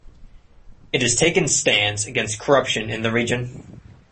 It has taken stands against corruption in the region.